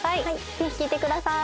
ぜひ聴いてください。